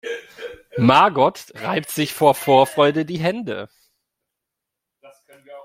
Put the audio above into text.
Margot reibt sich vor Vorfreude die Hände.